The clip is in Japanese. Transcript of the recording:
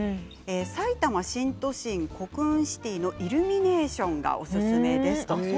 さいたま新都心コクーンシティのイルミネーションがおすすめです。